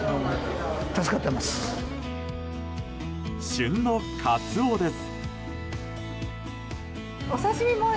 旬のカツオです。